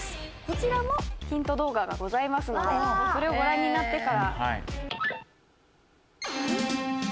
「こちらもヒント動画がございますのでそれをご覧になってから」